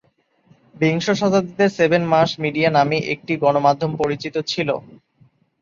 বিংশ শতাব্দীতে "seven mass media" নামে গণমাধ্যম পরিচিত ছিল।